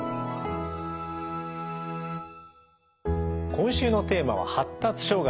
今週のテーマは「発達障害」。